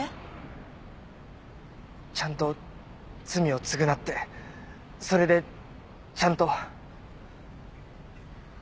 ちゃんと罪を償ってそれでちゃんと。